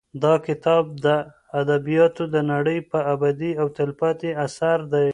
دا کتاب د ادبیاتو د نړۍ یو ابدي او تلپاتې اثر دی.